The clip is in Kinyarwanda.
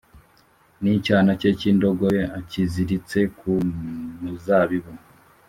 N icyana cye cy indogobe akiziritse ku muzabibu